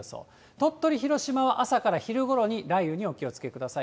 鳥取、広島は朝から昼ごろに雷雨にお気をつけください。